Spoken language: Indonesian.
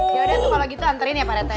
yaudah kalau gitu anterin ya pak reti